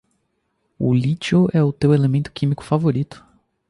O lítio é o teu elemento químico favorito